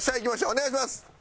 お願いします！